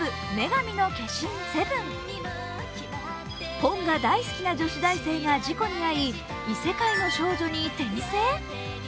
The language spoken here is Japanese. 本が大好きな女子大が事故に遭い、異世界の少女に転生？